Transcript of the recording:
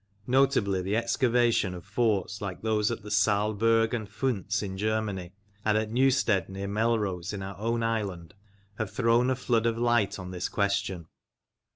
Notably the excavation of forts like those at the Saalburg and Pfiinz in Germany, and at Newstead, near Melrose, in our own island, have thrown a flood of light on this question.